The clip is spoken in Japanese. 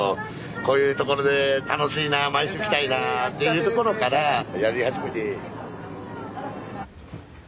こういう所で楽しいなあ毎週来たいなあっていうところからやり始めて。